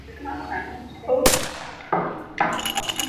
西边与若松町的町界是夏目坂通。